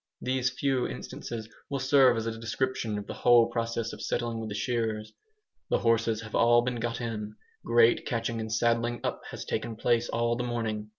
These few instances will serve as a description of the whole process of settling with the shearers. The horses have all been got in. Great catching and saddling up has taken place all the morning.